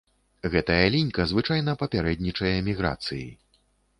Гэтая лінька звычайна папярэднічае міграцыі.